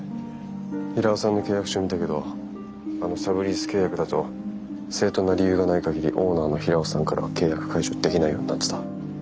平尾さんの契約書見たけどあのサブリース契約だと正当な理由がない限りオーナーの平尾さんからは契約解除できないようになってた。